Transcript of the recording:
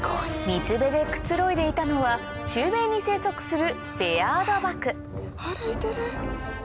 水辺でくつろいでいたのは中米に生息する歩いてる。